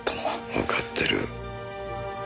わかってる。